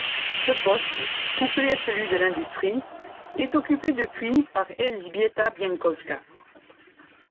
Ce poste, couplé à celui de l'Industrie, est occupé depuis le par Elżbieta Bieńkowska.